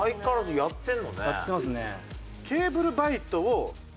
やってますね。